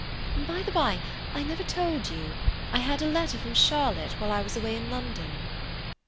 "By the by—I never told you. I had a letter from Charlotte while I was away in London."